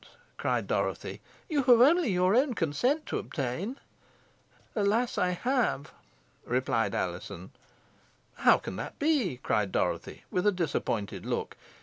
cried Dorothy. "You have only your own consent to obtain." "Alas! I have," replied Alizon. "How can that be!" cried Dorothy, with a disappointed look.